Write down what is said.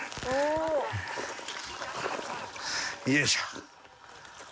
よいしょ。